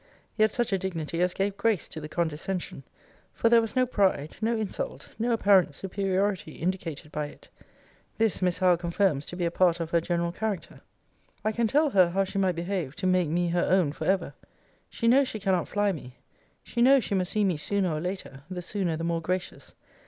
Yet such a dignity as gave grace to the condescension; for there was no pride, no insult, no apparent superiority, indicated by it. This, Miss Howe confirms to be a part of her general character.* * See Vol. IV. Letter XXIII. I can tell her, how she might behave, to make me her own for ever. She knows she cannot fly me. She knows she must see me sooner or later; the sooner the more gracious.